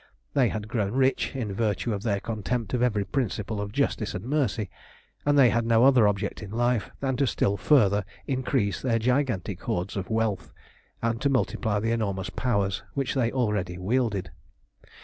They had grown rich in virtue of their contempt of every principle of justice and mercy, and they had no other object in life than to still further increase their gigantic hoards of wealth, and to multiply the enormous powers which they already wielded.